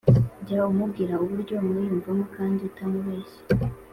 jya umubwira uburyo umwiyumvamo kandi utamubeshye.